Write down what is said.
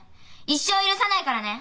一生許さないからね！